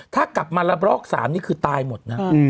ถ้ากลับมาละลอร์กสามนี่คือตายหมดนะ